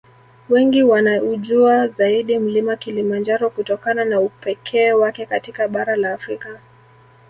Wengi wanaUjua zaidi Mlima Kilimanjaro kutokana na upekee wake katika bara la Afrika